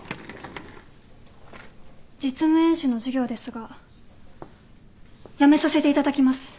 実務演習の授業ですがやめさせていただきます。